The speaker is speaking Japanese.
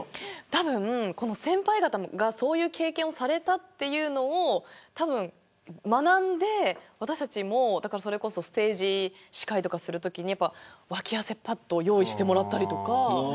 たぶん先輩方がそういう経験をされたというのを学んで私たちもステージ司会とかするときに脇汗パッドを用意してもらったりとか。